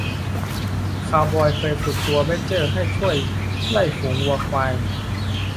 คาวบอยเคยฝึกตัวแบดเจอร์ให้ช่วยไล่ฝูงวัวควาย